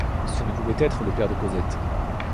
Ce ne pouvait être le père de Cosette.